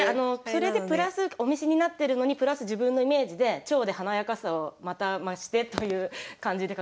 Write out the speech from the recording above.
それでプラスお召しになってるのにプラス自分のイメージでチョウで華やかさをまた増してという感じで描きました。